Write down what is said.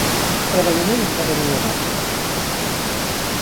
Però de moment encara no hi ha data.